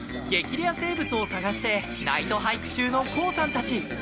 レア生物を探してナイトハイク中のＫＯＯさんたち。